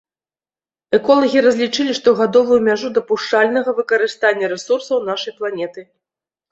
Эколагі разлічылі штогадовую мяжу дапушчальнага выкарыстання рэсурсаў нашай планеты.